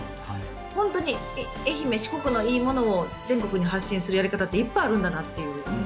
本当に愛媛四国のいいものを全国に発信するやり方っていっぱいあるんだなっていう。